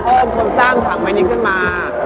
โอ้คนสร้างถังใหม่นี้ขึ้นมา